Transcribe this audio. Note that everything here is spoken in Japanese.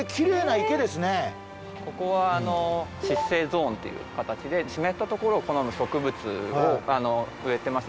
ここは湿生ゾーンという形で湿ったところを好む植物を植えてます。